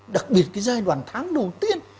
đặc biệt cái giai đoạn tháng đầu tiên